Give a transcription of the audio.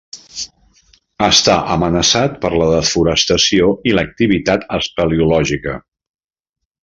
Està amenaçat per la desforestació i l'activitat espeleològica.